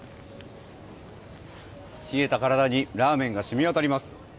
冷えた体にラーメンが染み渡ります。